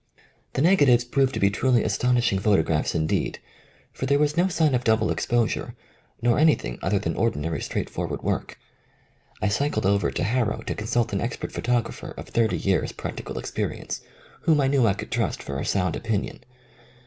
The negatives proved to be truly astonish ing photographs indeed, for there was no sign of double exposure nor anything other than ordinary straightforward work. I cycled over to Harrow to consult an expert photographer of thirty years' practical ex perience whom I knew I could trust for a sound opinion.